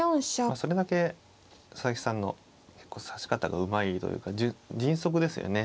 それだけ佐々木さんの指し方がうまいというか迅速ですよね。